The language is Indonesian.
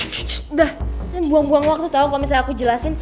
sudah buang buang waktu tau kalo misalnya aku jelasin